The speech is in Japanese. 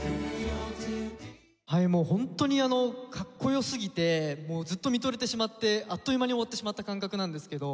はいもうホントにかっこよすぎてずっと見とれてしまってあっという間に終わってしまった感覚なんですけど。